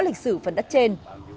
lịch sử phần đất trên